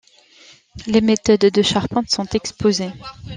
Les méthodes de charpente sont exposées.